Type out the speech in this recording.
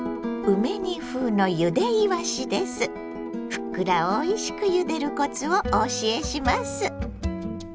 ふっくらおいしくゆでるコツをお教えします。